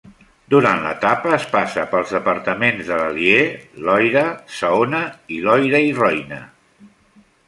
Durant l'etapa es passa pels departaments de l'Allier, Loira, Saona i Loira i Roine.